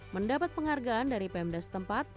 mendapat penghargaan dari pemdas tempat